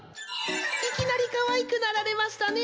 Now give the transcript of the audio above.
いきなりかわいくなられましたね。